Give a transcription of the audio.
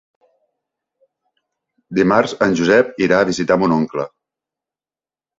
Dimarts en Josep irà a visitar mon oncle.